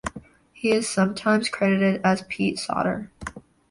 He is sometimes credited as Pete Sauder.